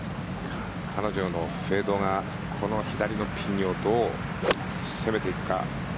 彼女のフェードがこの左のピンをどう攻めていくか。